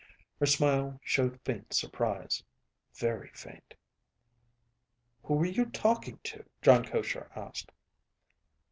Her smile showed faint surprise. Very faint. "Who were you talking to?" Jon Koshar asked.